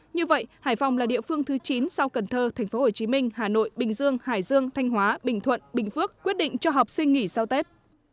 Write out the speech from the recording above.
như vậy hải phòng là địa phương thứ chín sau cần thơ tp hcm hà nội bình dương hải dương thanh hóa bình thuận bình phước quyết định cho học sinh nghỉ sau tết